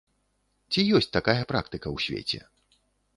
Ці ёсць такая практыка ў свеце?